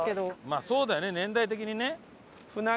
まあそうだよね年代的にね。